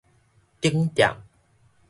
頂店